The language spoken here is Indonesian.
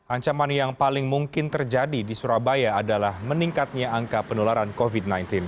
ancaman yang paling mungkin terjadi di surabaya adalah meningkatnya angka penularan covid sembilan belas